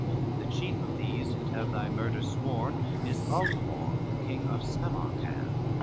CXXV "The chief of these that have thy murder sworn, Is Altamore, the king of Samarcand!